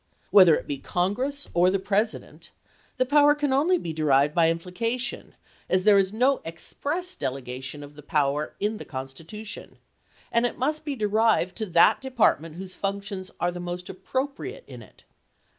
Whether it be Congress or the President, the power can only be derived by implication, as there is no express delegation of the power in the Con stitution ; and it must be derived to that Depart ment whose functions are the most appropriate to it.